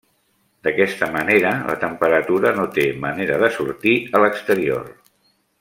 D'aquesta manera, la temperatura no té manera de sortir a l'exterior.